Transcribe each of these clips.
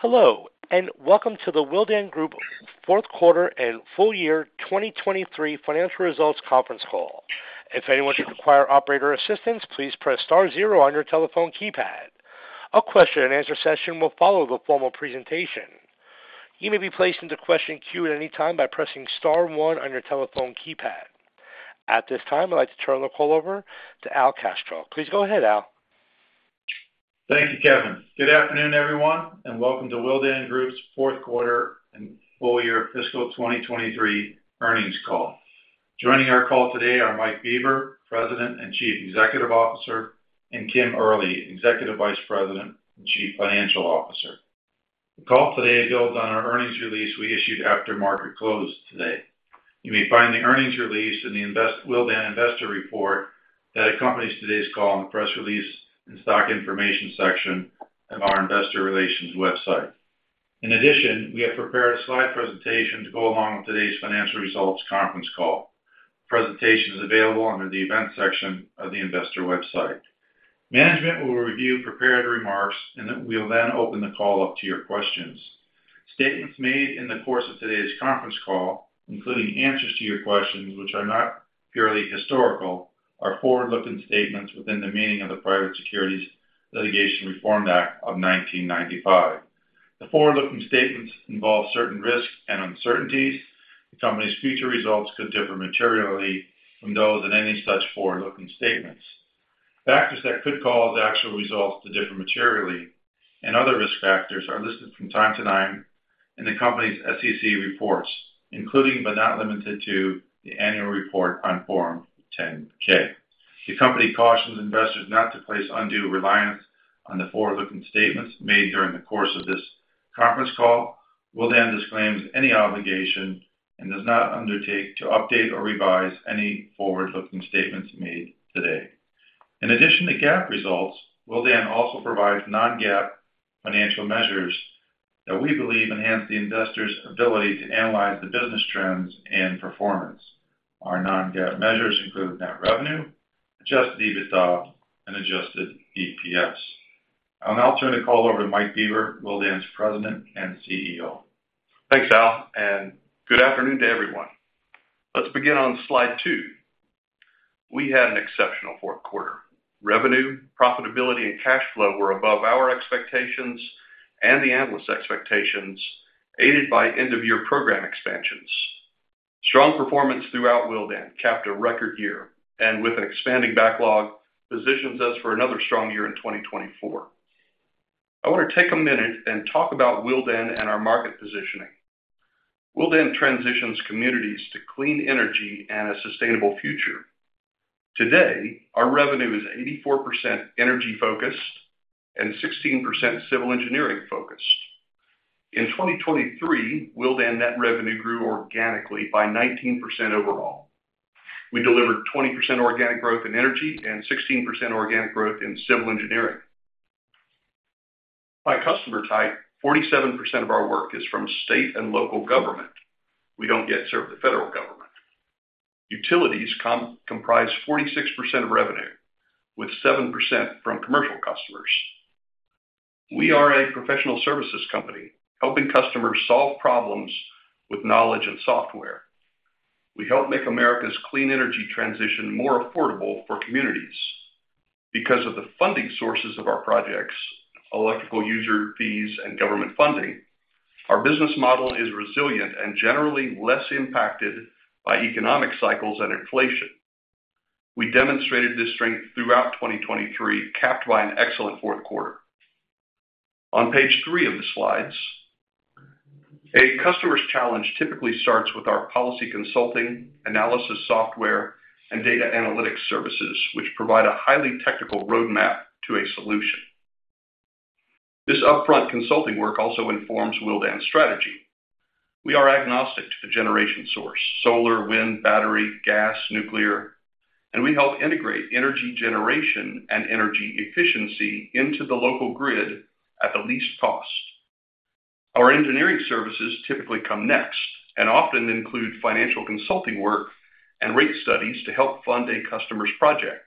Hello, and welcome to the Willdan Group Fourth Quarter and Full Year 2023 Financial Results Conference Call. If anyone should require operator assistance, please press star zero on your telephone keypad. A question and answer session will follow the formal presentation. You may be placed into question queue at any time by pressing star one on your telephone keypad. At this time, I'd like to turn the call over to Al Kaschalk. Please go ahead, Al. Thank you, Kevin. Good afternoon, everyone, and welcome to Willdan Group's Fourth Quarter and Full Year Fiscal 2023 Earnings Call. Joining our call today are Mike Bieber, President and Chief Executive Officer, and Kim Early, Executive Vice President and Chief Financial Officer. The call today builds on our earnings release we issued after market closed today. You may find the earnings release in the Willdan Investor Report that accompanies today's call in the press release and stock information section of our Investor Relations website. In addition, we have prepared a slide presentation to go along with today's financial results conference call. The presentation is available under the events section of the Investor website. Management will review prepared remarks, and we'll then open the call up to your questions. Statements made in the course of today's conference call, including answers to your questions which are not purely historical, are forward-looking statements within the meaning of the Private Securities Litigation Reform Act of 1995. The forward-looking statements involve certain risks and uncertainties. The company's future results could differ materially from those in any such forward-looking statements. Factors that could cause actual results to differ materially and other risk factors are listed from time to time in the company's SEC reports, including but not limited to the annual report on Form 10-K. The company cautions investors not to place undue reliance on the forward-looking statements made during the course of this conference call. Willdan disclaims any obligation and does not undertake to update or revise any forward-looking statements made today. In addition to GAAP results, Willdan also provides non-GAAP financial measures that we believe enhance the investor's ability to analyze the business trends and performance. Our non-GAAP measures include Net Revenue, Adjusted EBITDA, and Adjusted EPS. I'll now turn the call over to Mike Bieber, Willdan's President and CEO. Thanks, Al, and good afternoon to everyone. Let's begin on slide 2. We had an exceptional fourth quarter. Revenue, profitability, and cash flow were above our expectations and the analysts' expectations, aided by end-of-year program expansions. Strong performance throughout Willdan capped a record year, and with an expanding backlog, positions us for another strong year in 2024. I want to take a minute and talk about Willdan and our market positioning. Willdan transitions communities to clean energy and a sustainable future. Today, our revenue is 84% energy-focused and 16% civil engineering-focused. In 2023, Willdan net revenue grew organically by 19% overall. We delivered 20% organic growth in energy and 16% organic growth in civil engineering. By customer type, 47% of our work is from state and local government. We don't yet serve the federal government. Utilities comprise 46% of revenue, with 7% from commercial customers. We are a professional services company helping customers solve problems with knowledge and software. We help make America's clean energy transition more affordable for communities. Because of the funding sources of our projects - electrical user fees and government funding - our business model is resilient and generally less impacted by economic cycles and inflation. We demonstrated this strength throughout 2023, capped by an excellent fourth quarter. On page three of the slides, a customer's challenge typically starts with our policy consulting, analysis software, and data analytics services, which provide a highly technical roadmap to a solution. This upfront consulting work also informs Willdan's strategy. We are agnostic to the generation source - solar, wind, battery, gas, nuclear - and we help integrate energy generation and energy efficiency into the local grid at the least cost. Our engineering services typically come next and often include financial consulting work and rate studies to help fund a customer's project.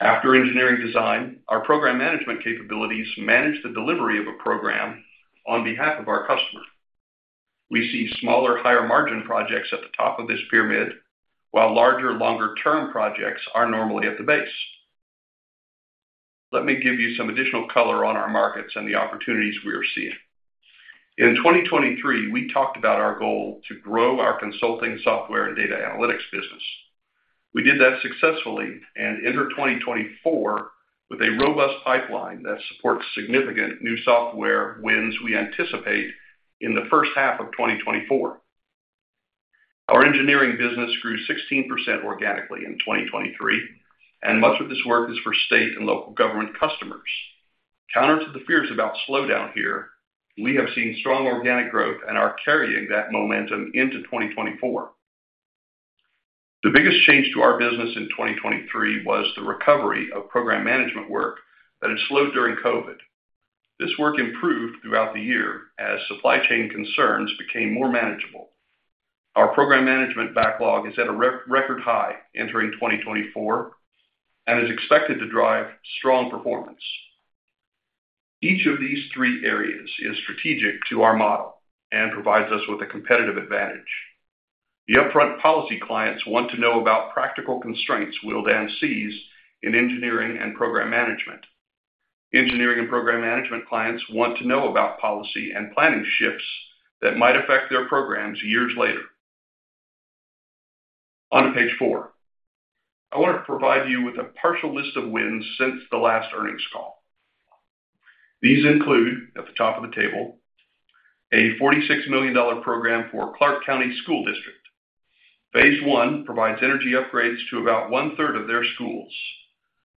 After engineering design, our program management capabilities manage the delivery of a program on behalf of our customer. We see smaller, higher-margin projects at the top of this pyramid, while larger, longer-term projects are normally at the base. Let me give you some additional color on our markets and the opportunities we are seeing. In 2023, we talked about our goal to grow our consulting software and data analytics business. We did that successfully and entered 2024 with a robust pipeline that supports significant new software wins we anticipate in the first half of 2024. Our engineering business grew 16% organically in 2023, and much of this work is for state and local government customers. Counter to the fears about slowdown here, we have seen strong organic growth and are carrying that momentum into 2024. The biggest change to our business in 2023 was the recovery of program management work that had slowed during COVID. This work improved throughout the year as supply chain concerns became more manageable. Our program management backlog is at a record high entering 2024 and is expected to drive strong performance. Each of these three areas is strategic to our model and provides us with a competitive advantage. The upfront policy clients want to know about practical constraints Willdan sees in engineering and program management. Engineering and program management clients want to know about policy and planning shifts that might affect their programs years later. On page four, I want to provide you with a partial list of wins since the last earnings call. These include, at the top of the table, a $46 million program for Clark County School District. Phase one provides energy upgrades to about one-third of their schools.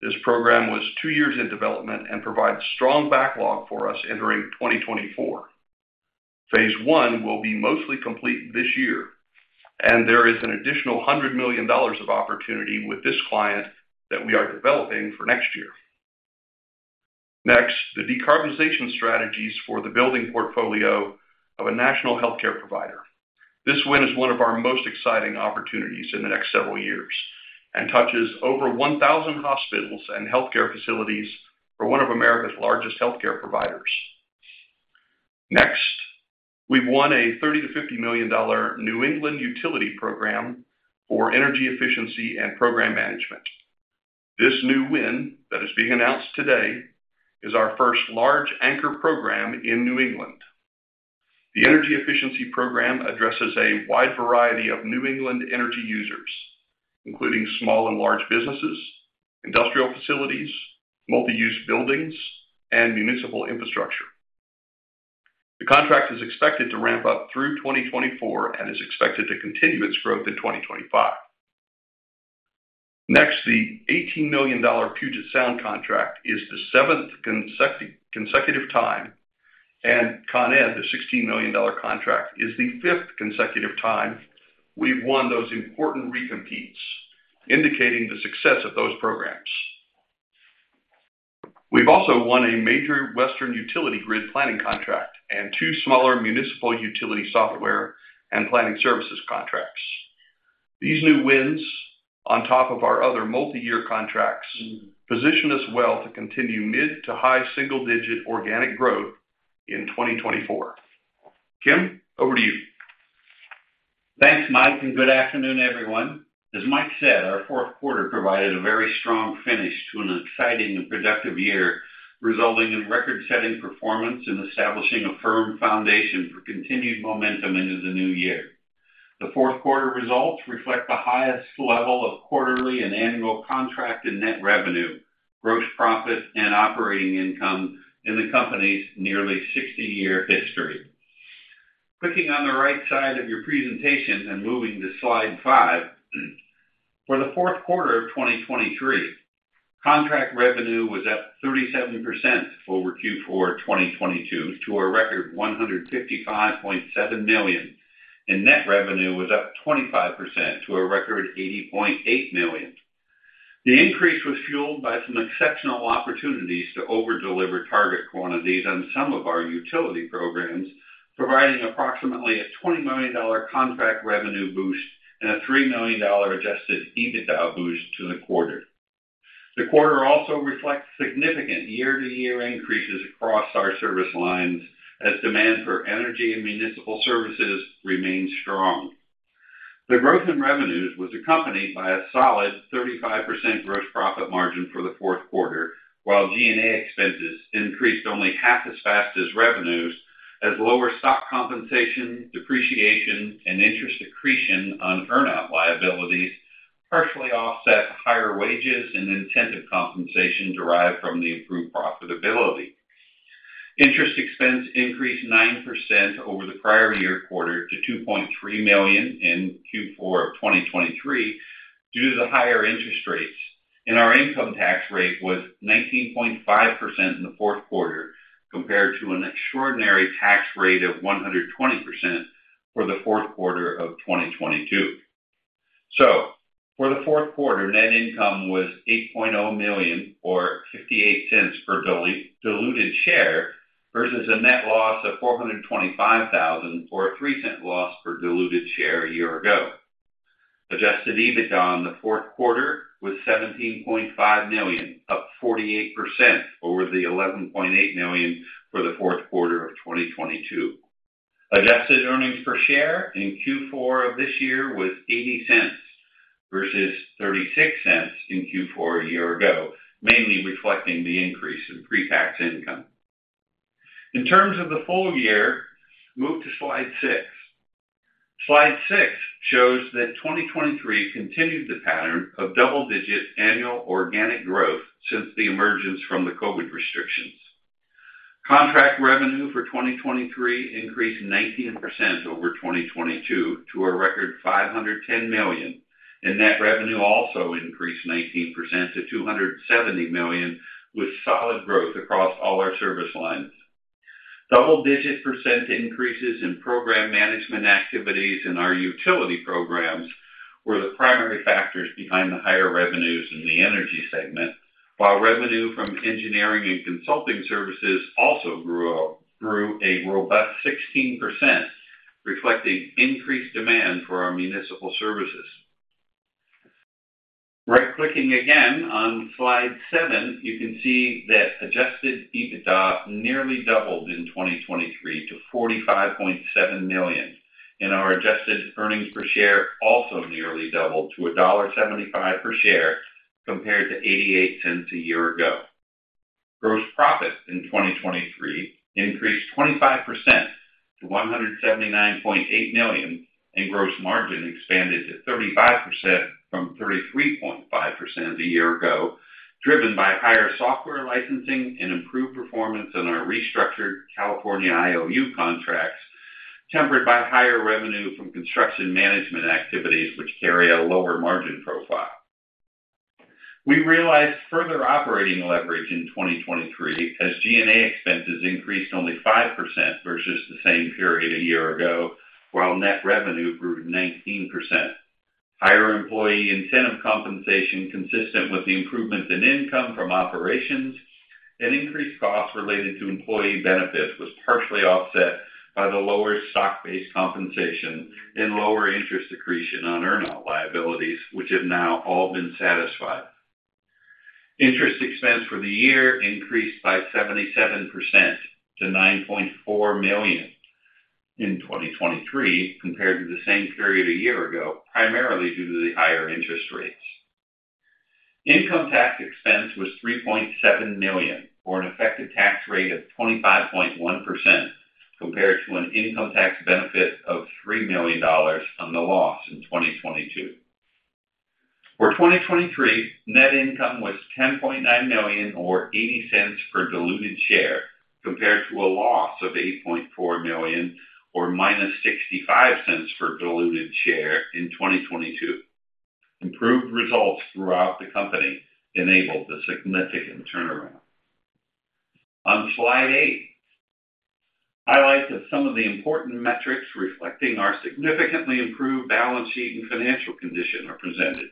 This program was two years in development and provides strong backlog for us entering 2024. Phase one will be mostly complete this year, and there is an additional $100 million of opportunity with this client that we are developing for next year. Next, the decarbonization strategies for the building portfolio of a national healthcare provider. This win is one of our most exciting opportunities in the next several years and touches over 1,000 hospitals and healthcare facilities for one of America's largest healthcare providers. Next, we've won a $30 million-$50 million New England utility program for energy efficiency and program management. This new win that is being announced today is our first large anchor program in New England. The energy efficiency program addresses a wide variety of New England energy users, including small and large businesses, industrial facilities, multi-use buildings, and municipal infrastructure. The contract is expected to ramp up through 2024 and is expected to continue its growth in 2025. Next, the $18 million Puget Sound contract is the seventh consecutive time, and ConEd, the $16 million contract, is the fifth consecutive time we've won those important recompetes, indicating the success of those programs. We've also won a major Western utility grid planning contract and two smaller municipal utility software and planning services contracts. These new wins, on top of our other multi-year contracts, position us well to continue mid- to high single-digit organic growth in 2024. Kim, over to you. Thanks, Mike, and good afternoon, everyone. As Mike said, our fourth quarter provided a very strong finish to an exciting and productive year, resulting in record-setting performance and establishing a firm foundation for continued momentum into the new year. The fourth quarter results reflect the highest level of quarterly and annual contracted net revenue, gross profit, and operating income in the company's nearly 60-year history. Clicking on the right side of your presentation and moving to slide 5, for the fourth quarter of 2023, contract revenue was up 37% over Q4 2022 to a record $155.7 million, and net revenue was up 25% to a record $80.8 million. The increase was fueled by some exceptional opportunities to over-deliver target quantities on some of our utility programs, providing approximately a $20 million contract revenue boost and a $3 million Adjusted EBITDA boost to the quarter. The quarter also reflects significant year-over-year increases across our service lines as demand for energy and municipal services remains strong. The growth in revenues was accompanied by a solid 35% gross profit margin for the fourth quarter, while G&A expenses increased only half as fast as revenues, as lower stock compensation, depreciation, and interest accretion on earnout liabilities partially offset higher wages and incentive compensation derived from the improved profitability. Interest expense increased 9% over the prior year quarter to $2.3 million in Q4 of 2023 due to the higher interest rates, and our income tax rate was 19.5% in the fourth quarter compared to an extraordinary tax rate of 120% for the fourth quarter of 2022. So, for the fourth quarter, net income was $8.0 million or $0.58 per diluted share versus a net loss of $425,000 or a $0.03 loss per diluted share a year ago. Adjusted EBITDA on the fourth quarter was $17.5 million, up 48% over the $11.8 million for the fourth quarter of 2022. Adjusted earnings per share in Q4 of this year was $0.80 versus $0.36 in Q4 a year ago, mainly reflecting the increase in pre-tax income. In terms of the full year, move to slide six. Slide six shows that 2023 continued the pattern of double-digit annual organic growth since the emergence from the COVID restrictions. Contract revenue for 2023 increased 19% over 2022 to a record $510 million, and net revenue also increased 19% to $270 million, with solid growth across all our service lines. Double-digit percent increases in program management activities in our utility programs were the primary factors behind the higher revenues in the energy segment, while revenue from engineering and consulting services also grew a robust 16%, reflecting increased demand for our municipal services. Right-clicking again on slide seven, you can see that Adjusted EBITDA nearly doubled in 2023 to $45.7 million, and our adjusted earnings per share also nearly doubled to $1.75 per share compared to $0.88 a year ago. Gross profit in 2023 increased 25% to $179.8 million, and gross margin expanded to 35% from 33.5% a year ago, driven by higher software licensing and improved performance in our restructured California IOU contracts, tempered by higher revenue from construction management activities, which carry a lower margin profile. We realized further operating leverage in 2023 as G&A expenses increased only 5% versus the same period a year ago, while net revenue grew 19%. Higher employee incentive compensation, consistent with the improvement in income from operations and increased costs related to employee benefits, was partially offset by the lower stock-based compensation and lower interest accretion on earnout liabilities, which have now all been satisfied. Interest expense for the year increased by 77% to $9.4 million in 2023 compared to the same period a year ago, primarily due to the higher interest rates. Income tax expense was $3.7 million or an effective tax rate of 25.1% compared to an income tax benefit of $3 million on the loss in 2022. For 2023, net income was $10.9 million or $0.80 per diluted share compared to a loss of $8.4 million or -$0.65 per diluted share in 2022. Improved results throughout the company enabled the significant turnaround. On slide eight, I like that some of the important metrics reflecting our significantly improved balance sheet and financial condition are presented.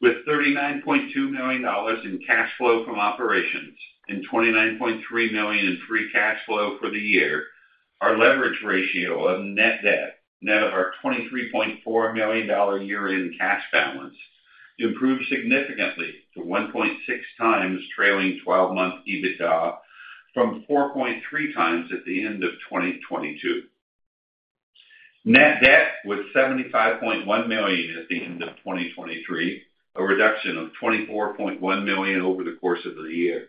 With $39.2 million in cash flow from operations and $29.3 million in free cash flow for the year, our leverage ratio of net debt, net of our $23.4 million year-end cash balance, improved significantly to 1.6x trailing 12-month EBITDA from 4.3x at the end of 2022. Net debt was $75.1 million at the end of 2023, a reduction of $24.1 million over the course of the year.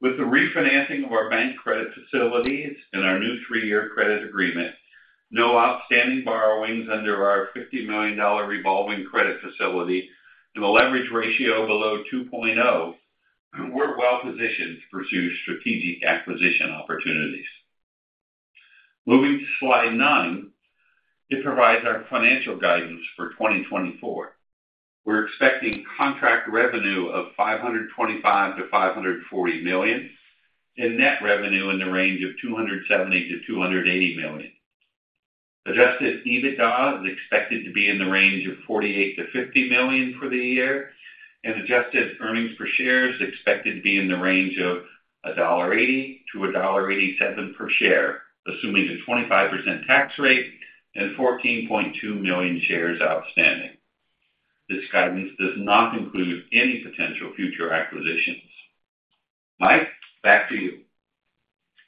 With the refinancing of our bank credit facilities and our new three-year credit agreement, no outstanding borrowings under our $50 million revolving credit facility, and the leverage ratio below 2.0, we're well positioned to pursue strategic acquisition opportunities. Moving to slide nine, it provides our financial guidance for 2024. We're expecting contract revenue of $525-$540 million and net revenue in the range of $270 million-$280 million. Adjusted EBITDA is expected to be in the range of $48 million-$50 million for the year, and adjusted earnings per share is expected to be in the range of $1.80-$1.87 per share, assuming a 25% tax rate and 14.2 million shares outstanding. This guidance does not include any potential future acquisitions. Mike, back to you.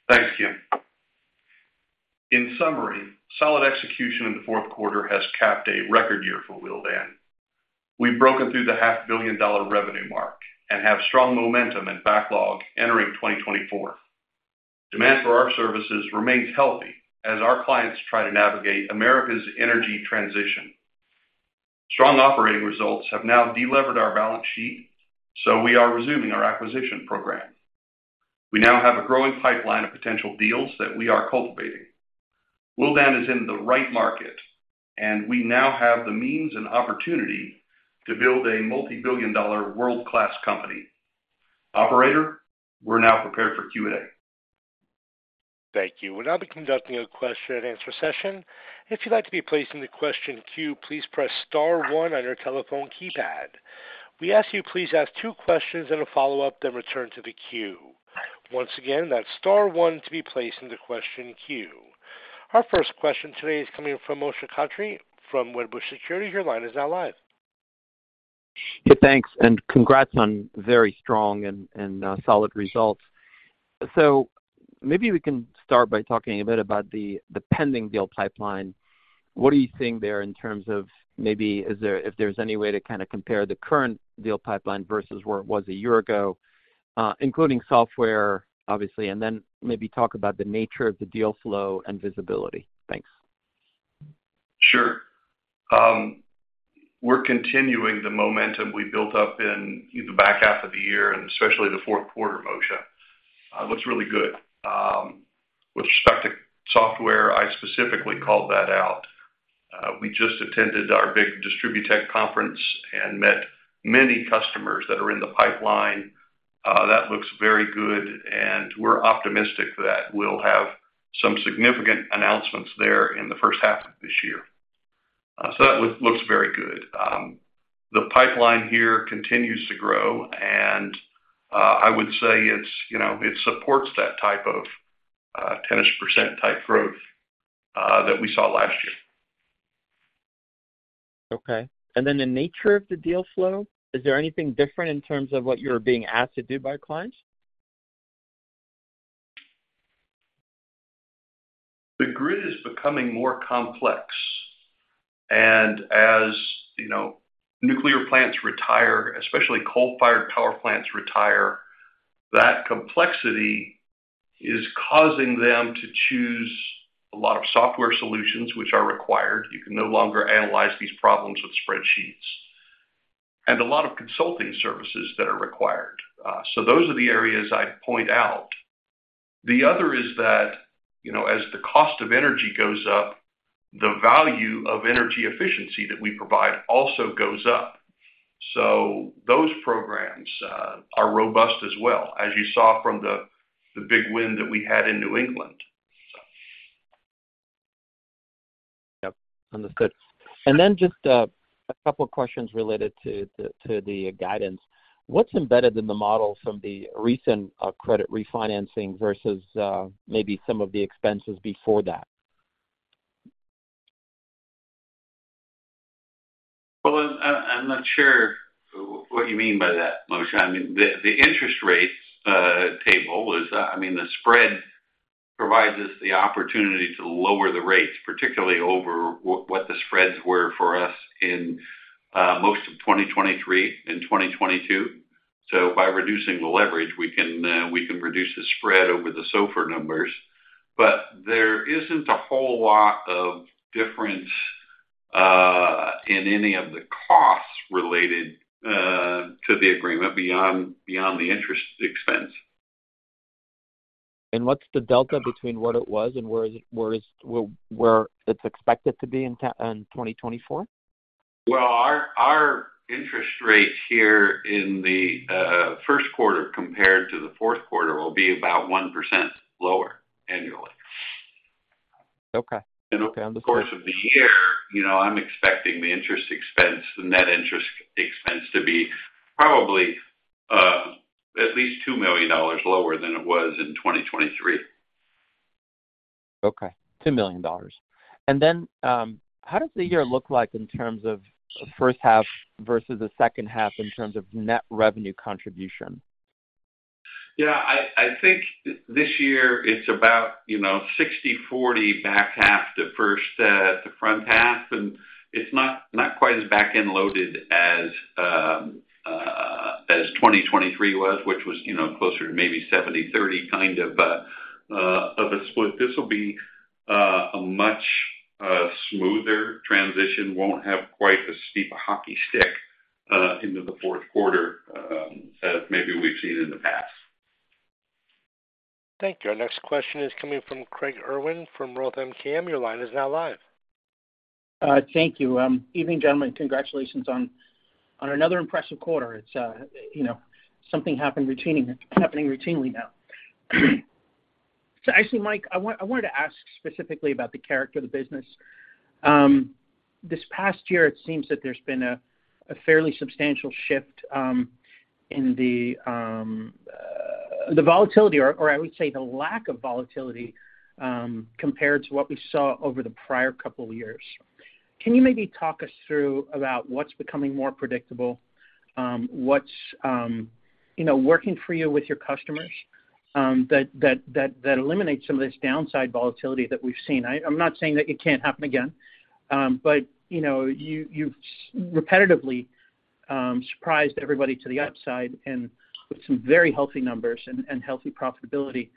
Thanks, Kim. In summary, solid execution in the fourth quarter has capped a record year for Willdan. We've broken through the $500 million revenue mark and have strong momentum and backlog entering 2024. Demand for our services remains healthy as our clients try to navigate America's energy transition. Strong operating results have now delevered our balance sheet, so we are resuming our acquisition program. We now have a growing pipeline of potential deals that we are cultivating. Willdan is in the right market, and we now have the means and opportunity to build a multi-billion-dollar world-class company. Operator, we're now prepared for Q&A. Thank you. We're now conducting a question-and-answer session. If you'd like to be placed in the question queue, please press star one on your telephone keypad. We ask you please ask two questions and a follow-up, then return to the queue. Once again, that's star one to be placed in the question queue. Our first question today is coming from Moshe Katri from Wedbush Securities. Your line is now live. Hey, thanks, and congrats on very strong and solid results. So maybe we can start by talking a bit about the pending deal pipeline. What are you seeing there in terms of maybe if there's any way to kind of compare the current deal pipeline versus where it was a year ago, including software, obviously, and then maybe talk about the nature of the deal flow and visibility? Thanks. Sure. We're continuing the momentum we built up in the back half of the year and especially the fourth quarter, Moshe. Looks really good. With respect to software, I specifically called that out. We just attended our big DistribuTECH conference and met many customers that are in the pipeline. That looks very good, and we're optimistic that we'll have some significant announcements there in the first half of this year. So that looks very good. The pipeline here continues to grow, and I would say it supports that type of 10%-ish type growth that we saw last year. Okay. And then the nature of the deal flow, is there anything different in terms of what you're being asked to do by clients? The grid is becoming more complex. As nuclear plants retire, especially coal-fired power plants retire, that complexity is causing them to choose a lot of software solutions, which are required. You can no longer analyze these problems with spreadsheets and a lot of consulting services that are required. Those are the areas I'd point out. The other is that as the cost of energy goes up, the value of energy efficiency that we provide also goes up. Those programs are robust as well, as you saw from the big win that we had in New England. Yep, understood. And then just a couple of questions related to the guidance. What's embedded in the model from the recent credit refinancing versus maybe some of the expenses before that? Well, I'm not sure what you mean by that, Moshe. I mean, the spread provides us the opportunity to lower the rates, particularly over what the spreads were for us in most of 2023 and 2022. So by reducing the leverage, we can reduce the spread over the SOFR numbers. But there isn't a whole lot of difference in any of the costs related to the agreement beyond the interest expense. What's the delta between what it was and where it's expected to be in 2024? Well, our interest rate here in the first quarter compared to the fourth quarter will be about 1% lower annually. Okay. Okay, understood. Over the course of the year, I'm expecting the interest expense, the net interest expense, to be probably at least $2 million lower than it was in 2023. Okay, $2 million. And then how does the year look like in terms of first half versus the second half in terms of net revenue contribution? Yeah, I think this year, it's about 60/40 back half to front half. It's not quite as back-end loaded as 2023 was, which was closer to maybe 70/30 kind of a split. This will be a much smoother transition, won't have quite a steep hockey stick into the fourth quarter as maybe we've seen in the past. Thank you. Our next question is coming from Craig Irwin from Roth MKM. Your line is now live. Thank you. Evening, gentlemen. Congratulations on another impressive quarter. Something happening routinely now. So actually, Mike, I wanted to ask specifically about the character of the business. This past year, it seems that there's been a fairly substantial shift in the volatility, or I would say the lack of volatility, compared to what we saw over the prior couple of years. Can you maybe talk us through about what's becoming more predictable, what's working for you with your customers that eliminates some of this downside volatility that we've seen? I'm not saying that it can't happen again, but you've repetitively surprised everybody to the upside with some very healthy numbers and healthy profitability.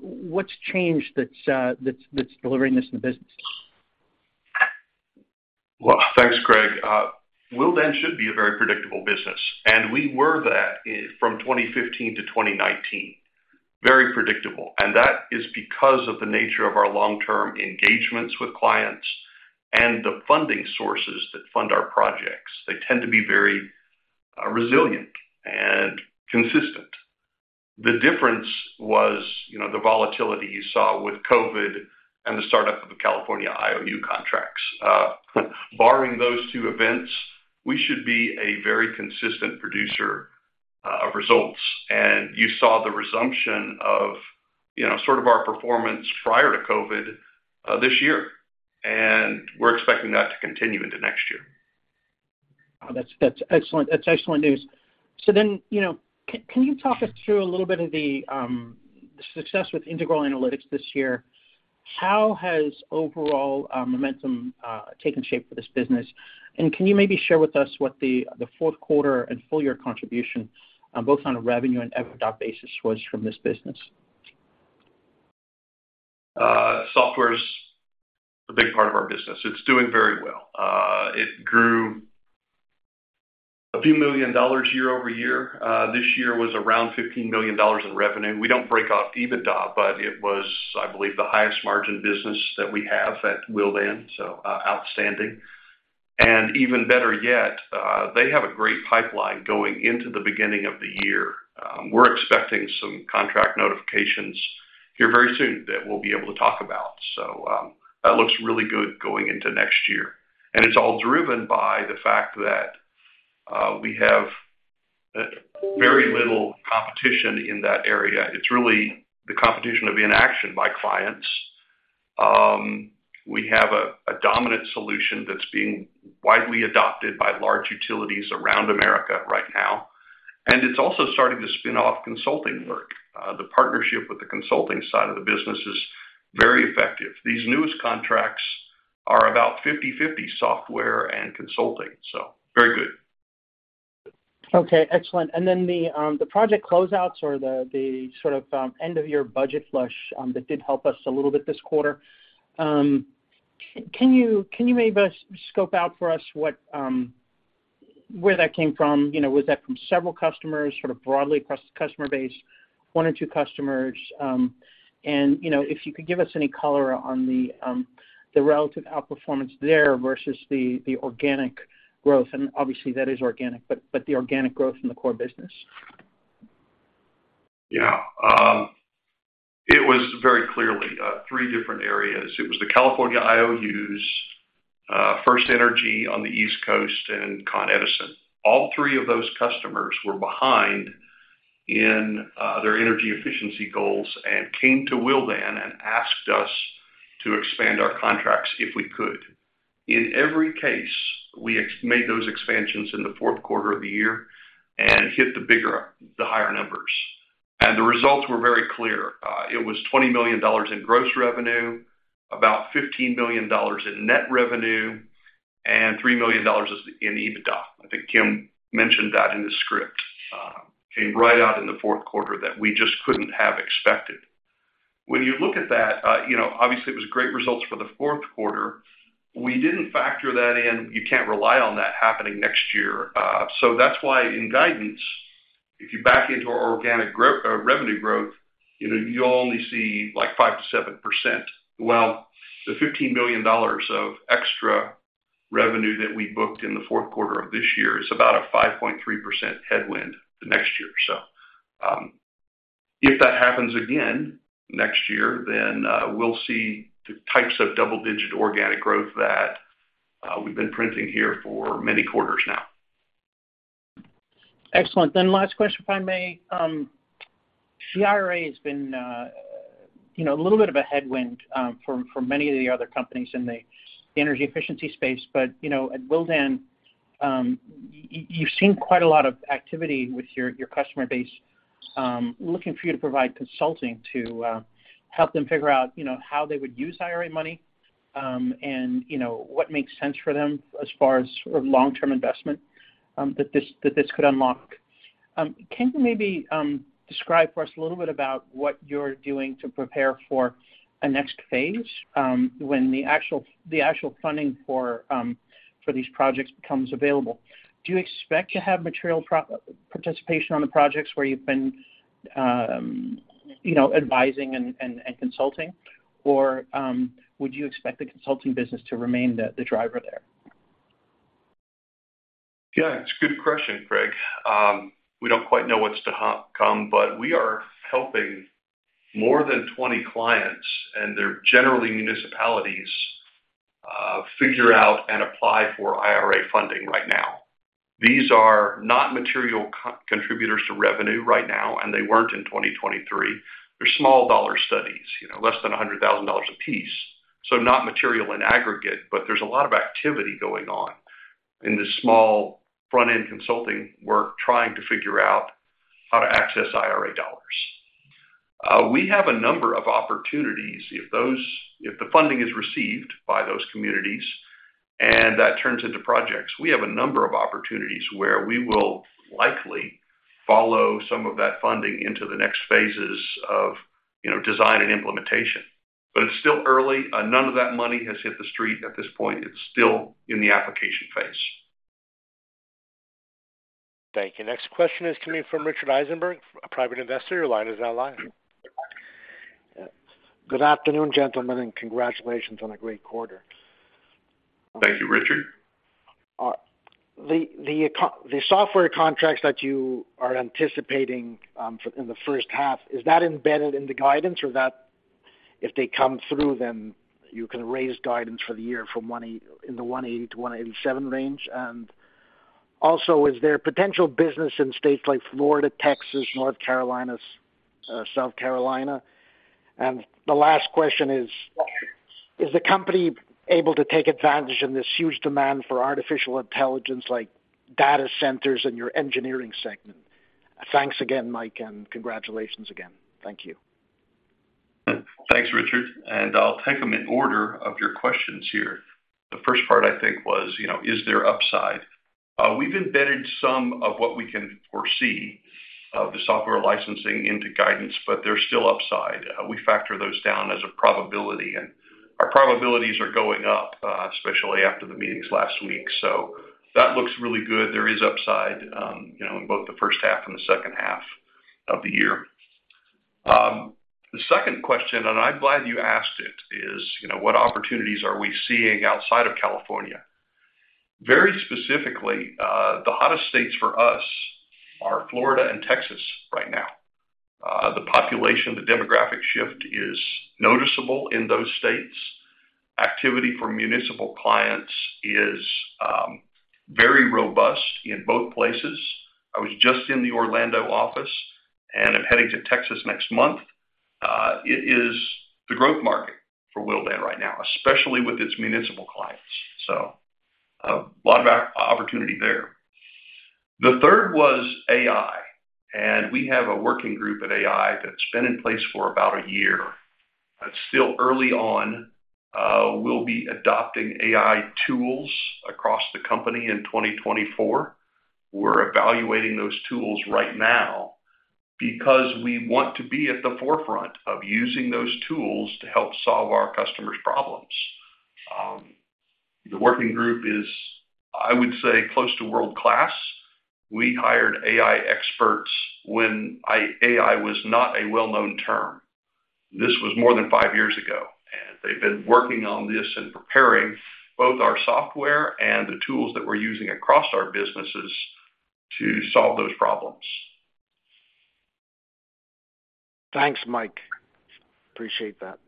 What's changed that's delivering this in the business? Well, thanks, Craig. Willdan should be a very predictable business, and we were that from 2015 to 2019, very predictable. And that is because of the nature of our long-term engagements with clients and the funding sources that fund our projects. They tend to be very resilient and consistent. The difference was the volatility you saw with COVID and the startup of the California IOU contracts. Barring those two events, we should be a very consistent producer of results. And you saw the resumption of sort of our performance prior to COVID this year, and we're expecting that to continue into next year. That's excellent. That's excellent news. So then can you talk us through a little bit of the success with Integral Analytics this year? How has overall momentum taken shape for this business? And can you maybe share with us what the fourth quarter and full-year contribution, both on a revenue and EBITDA basis, was from this business? Software's a big part of our business. It's doing very well. It grew $a few million year-over-year. This year was around $15 million in revenue. We don't break off EBITDA, but it was, I believe, the highest margin business that we have at Willdan, so outstanding. Even better yet, they have a great pipeline going into the beginning of the year. We're expecting some contract notifications here very soon that we'll be able to talk about. That looks really good going into next year. It's all driven by the fact that we have very little competition in that area. It's really the competition of inaction by clients. We have a dominant solution that's being widely adopted by large utilities around America right now. It's also starting to spin off consulting work. The partnership with the consulting side of the business is very effective. These newest contracts are about 50/50 software and consulting, so very good. Okay, excellent. And then the project closeouts or the sort of end-of-year budget flush that did help us a little bit this quarter, can you maybe scope out for us where that came from? Was that from several customers, sort of broadly across the customer base, one or two customers? And if you could give us any color on the relative outperformance there versus the organic growth. And obviously, that is organic, but the organic growth in the core business. Yeah. It was very clearly three different areas. It was the California IOUs, FirstEnergy on the East Coast, and Con Edison. All three of those customers were behind in their energy efficiency goals and came to Willdan and asked us to expand our contracts if we could. In every case, we made those expansions in the fourth quarter of the year and hit the higher numbers. The results were very clear. It was $20 million in gross revenue, about $15 million in net revenue, and $3 million in EBITDA. I think Kim mentioned that in the script. [It] came right out in the fourth quarter that we just couldn't have expected. When you look at that, obviously, it was great results for the fourth quarter. We didn't factor that in. You can't rely on that happening next year. So that's why in guidance, if you back into our organic revenue growth, you'll only see 5%-7%. Well, the $15 million of extra revenue that we booked in the fourth quarter of this year is about a 5.3% headwind the next year. So if that happens again next year, then we'll see the types of double-digit organic growth that we've been printing here for many quarters now. Excellent. Then last question, if I may. The IRA has been a little bit of a headwind for many of the other companies in the energy efficiency space. But at Willdan, you've seen quite a lot of activity with your customer base looking for you to provide consulting to help them figure out how they would use IRA money and what makes sense for them as far as sort of long-term investment that this could unlock. Can you maybe describe for us a little bit about what you're doing to prepare for a next phase when the actual funding for these projects becomes available? Do you expect to have material participation on the projects where you've been advising and consulting, or would you expect the consulting business to remain the driver there? Yeah, it's a good question, Craig. We don't quite know what's to come, but we are helping more than 20 clients, and they're generally municipalities, figure out and apply for IRA funding right now. These are not material contributors to revenue right now, and they weren't in 2023. They're small dollar studies, less than $100,000 apiece. So not material in aggregate, but there's a lot of activity going on in this small front-end consulting work trying to figure out how to access IRA dollars. We have a number of opportunities if the funding is received by those communities and that turns into projects. We have a number of opportunities where we will likely follow some of that funding into the next phases of design and implementation. But it's still early. None of that money has hit the street at this point. It's still in the application phase. Thank you. Next question is coming from Richard Eisenberg, a private investor. Your line is now live. Good afternoon, gentlemen, and congratulations on a great quarter. Thank you, Richard. The software contracts that you are anticipating in the first half, is that embedded in the guidance, or if they come through, then you can raise guidance for the year in the 180-187 range? Also, is there potential business in states like Florida, Texas, North Carolina, South Carolina? The last question is, is the company able to take advantage of this huge demand for artificial intelligence, like data centers in your engineering segment? Thanks again, Mike, and congratulations again. Thank you. Thanks, Richard. And I'll take them in order of your questions here. The first part, I think, was, is there upside? We've embedded some of what we can foresee of the software licensing into guidance, but there's still upside. We factor those down as a probability, and our probabilities are going up, especially after the meetings last week. So that looks really good. There is upside in both the first half and the second half of the year. The second question, and I'm glad you asked it, is, what opportunities are we seeing outside of California? Very specifically, the hottest states for us are Florida and Texas right now. The population, the demographic shift is noticeable in those states. Activity for municipal clients is very robust in both places. I was just in the Orlando office, and I'm heading to Texas next month. It is the growth market for Willdan right now, especially with its municipal clients. So a lot of opportunity there. The third was AI. And we have a working group at AI that's been in place for about a year. It's still early on. We'll be adopting AI tools across the company in 2024. We're evaluating those tools right now because we want to be at the forefront of using those tools to help solve our customers' problems. The working group is, I would say, close to world-class. We hired AI experts when AI was not a well-known term. This was more than five years ago. And they've been working on this and preparing both our software and the tools that we're using across our businesses to solve those problems. Thanks, Mike. Appreciate that.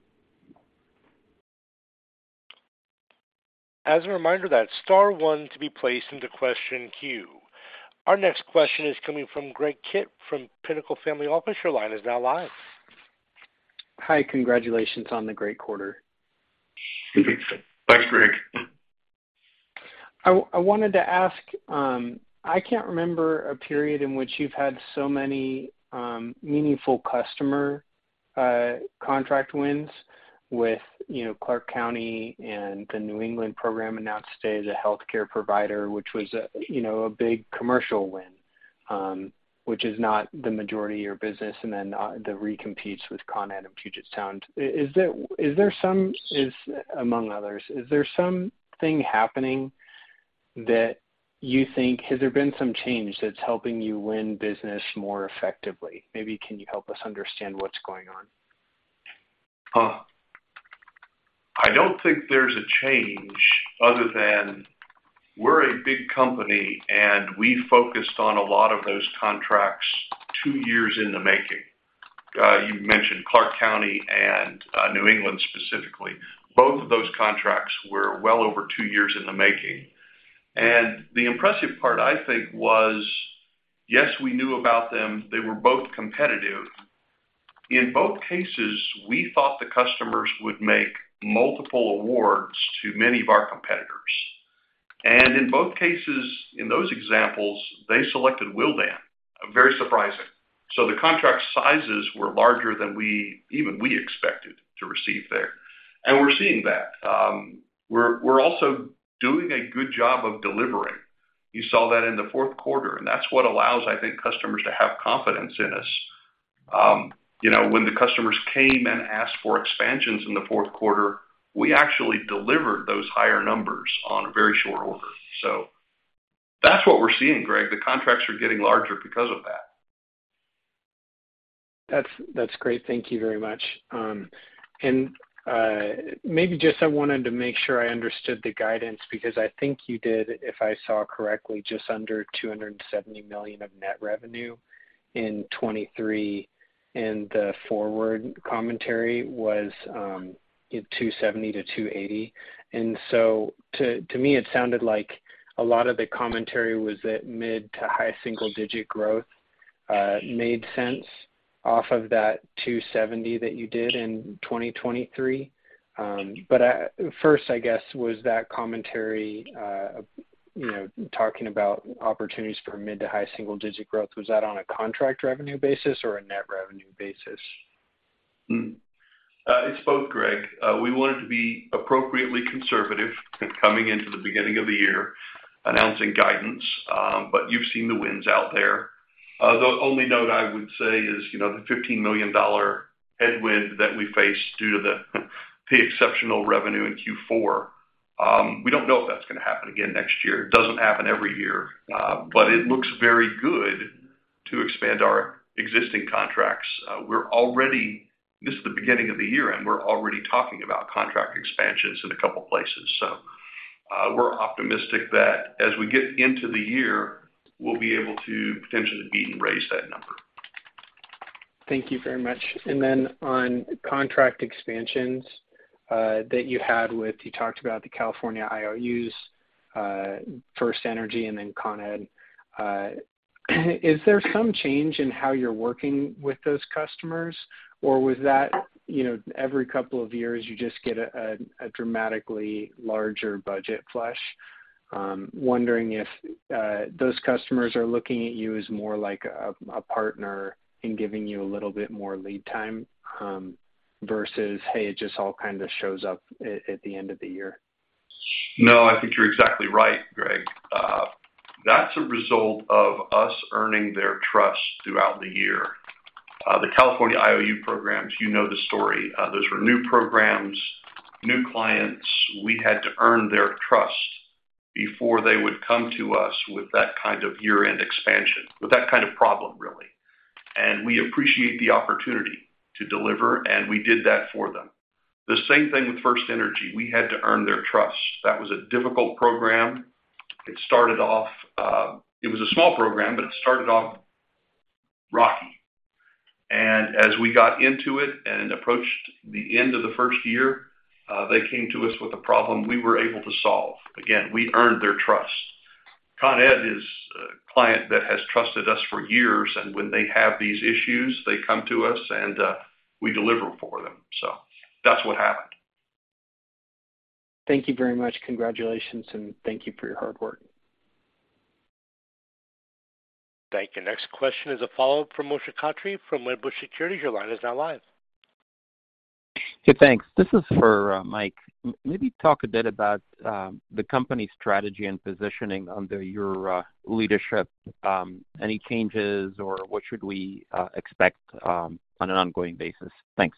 As a reminder, that's star one to be placed into question Q. Our next question is coming from Greg Kitt from Pinnacle Family Office. Your line is now live. Hi. Congratulations on the great quarter. Thanks, Greg. I wanted to ask, I can't remember a period in which you've had so many meaningful customer contract wins with Clark County and the New England program, and now today the healthcare provider, which was a big commercial win, which is not the majority of your business, and then the recompetes with Con Ed and Puget Sound. Is there some, among others, is there something happening that you think has there been some change that's helping you win business more effectively? Maybe can you help us understand what's going on? I don't think there's a change other than we're a big company, and we focused on a lot of those contracts two years in the making. You mentioned Clark County and New England specifically. Both of those contracts were well over two years in the making. And the impressive part, I think, was, yes, we knew about them. They were both competitive. In both cases, we thought the customers would make multiple awards to many of our competitors. And in both cases, in those examples, they selected Willdan, very surprising. So the contract sizes were larger than even we expected to receive there. And we're seeing that. We're also doing a good job of delivering. You saw that in the fourth quarter. And that's what allows, I think, customers to have confidence in us. When the customers came and asked for expansions in the fourth quarter, we actually delivered those higher numbers on a very short order. So that's what we're seeing, Greg. The contracts are getting larger because of that. That's great. Thank you very much. And maybe just I wanted to make sure I understood the guidance because I think you did, if I saw correctly, just under $270 million of net revenue in 2023. And the forward commentary was $270 million-$280 million. And so to me, it sounded like a lot of the commentary was that mid- to high-single-digit growth made sense off of that $270 million that you did in 2023. But first, I guess, was that commentary talking about opportunities for mid- to high-single-digit growth, was that on a contract revenue basis or a net revenue basis? It's both, Greg. We wanted to be appropriately conservative coming into the beginning of the year, announcing guidance. But you've seen the wins out there. The only note I would say is the $15 million headwind that we faced due to the exceptional revenue in Q4. We don't know if that's going to happen again next year. It doesn't happen every year. But it looks very good to expand our existing contracts. This is the beginning of the year, and we're already talking about contract expansions in a couple of places. So we're optimistic that as we get into the year, we'll be able to potentially beat and raise that number. Thank you very much. And then on contract expansions that you had with, you talked about the California IOUs, FirstEnergy, and then Con Ed. Is there some change in how you're working with those customers, or was that every couple of years, you just get a dramatically larger budget flush? Wondering if those customers are looking at you as more like a partner in giving you a little bit more lead time versus, "Hey, it just all kind of shows up at the end of the year. No, I think you're exactly right, Greg. That's a result of us earning their trust throughout the year. The California IOU programs, you know the story. Those were new programs, new clients. We had to earn their trust before they would come to us with that kind of year-end expansion, with that kind of problem, really. And we appreciate the opportunity to deliver, and we did that for them. The same thing with FirstEnergy. We had to earn their trust. That was a difficult program. It started off; it was a small program, but it started off rocky. And as we got into it and approached the end of the first year, they came to us with a problem we were able to solve. Again, we earned their trust. Con Ed is a client that has trusted us for years. When they have these issues, they come to us, and we deliver for them. That's what happened. Thank you very much. Congratulations, and thank you for your hard work. Thank you. Next question is a follow-up from Moshe Katri from Wedbush Securities. Your line is now live. Hey, thanks. This is for Mike. Maybe talk a bit about the company's strategy and positioning under your leadership. Any changes, or what should we expect on an ongoing basis? Thanks.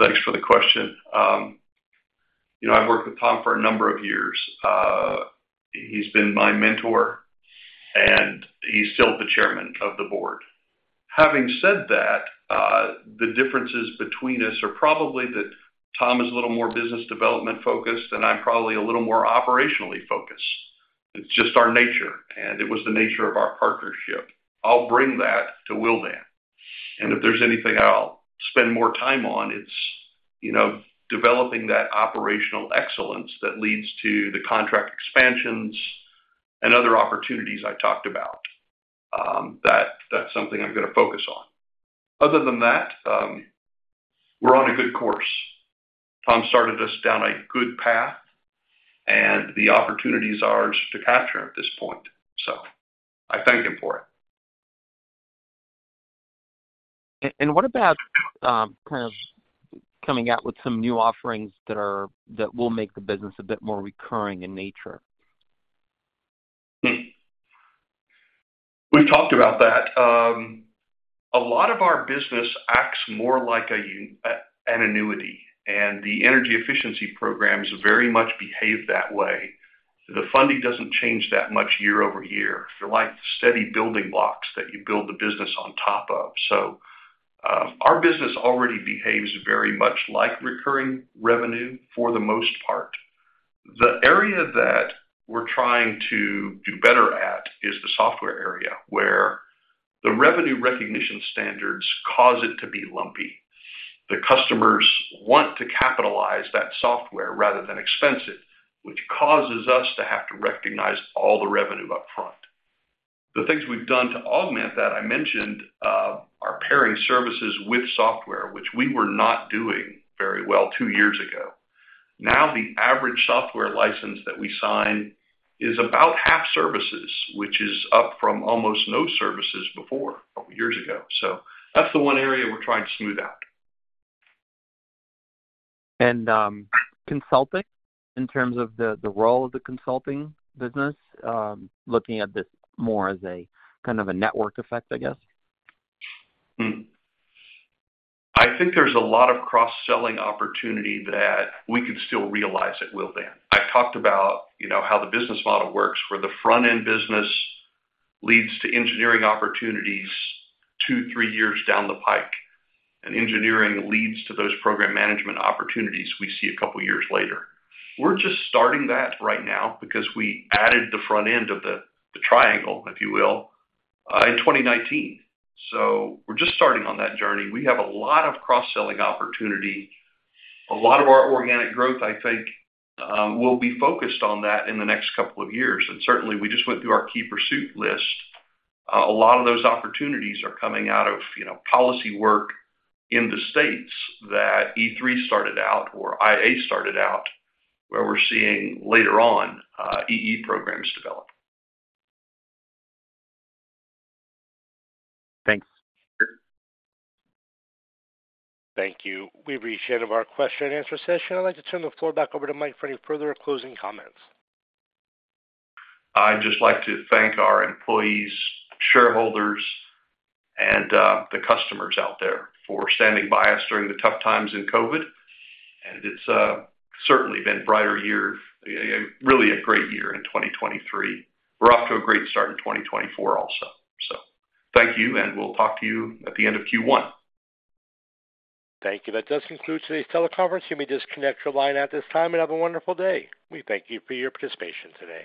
Thanks for the question. I've worked with Tom for a number of years. He's been my mentor, and he's still the chairman of the board. Having said that, the differences between us are probably that Tom is a little more business development-focused, and I'm probably a little more operationally focused. It's just our nature, and it was the nature of our partnership. I'll bring that to Willdan. And if there's anything I'll spend more time on, it's developing that operational excellence that leads to the contract expansions and other opportunities I talked about. That's something I'm going to focus on. Other than that, we're on a good course. Tom started us down a good path, and the opportunities are to capture at this point. So I thank him for it. What about kind of coming out with some new offerings that will make the business a bit more recurring in nature? We've talked about that. A lot of our business acts more like an annuity, and the energy efficiency programs very much behave that way. The funding doesn't change that much year over year. They're like steady building blocks that you build the business on top of. So our business already behaves very much like recurring revenue for the most part. The area that we're trying to do better at is the software area, where the revenue recognition standards cause it to be lumpy. The customers want to capitalize that software rather than expense it, which causes us to have to recognize all the revenue upfront. The things we've done to augment that, I mentioned our pairing services with software, which we were not doing very well two years ago. Now, the average software license that we sign is about half services, which is up from almost no services before a couple of years ago. So that's the one area we're trying to smooth out. Consulting, in terms of the role of the consulting business, looking at this more as kind of a network effect, I guess? I think there's a lot of cross-selling opportunity that we can still realize at Willdan. I've talked about how the business model works where the front-end business leads to engineering opportunities 2, 3 years down the pike, and engineering leads to those program management opportunities we see a couple of years later. We're just starting that right now because we added the front end of the triangle, if you will, in 2019. So we're just starting on that journey. We have a lot of cross-selling opportunity. A lot of our organic growth, I think, will be focused on that in the next couple of years. And certainly, we just went through our key pursuit list. A lot of those opportunities are coming out of policy work in the states that E3 started out or IA started out, where we're seeing later on EE programs develop. Thanks. Thank you. We've reached the end of our question-and-answer session. I'd like to turn the floor back over to Mike for any further or closing comments. I'd just like to thank our employees, shareholders, and the customers out there for standing by us during the tough times in COVID. It's certainly been a brighter year, really a great year in 2023. We're off to a great start in 2024 also. Thank you, and we'll talk to you at the end of Q1. Thank you. That does conclude today's teleconference. You may disconnect your line at this time. Have a wonderful day. We thank you for your participation today.